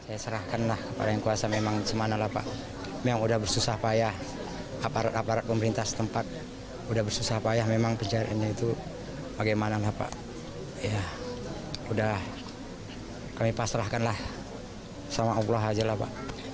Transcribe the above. pada saat ini doa bersama dengan doa bersama dengan doa bersama dengan doa bersama dengan doa bersama dengan doa bersama dengan doa bersama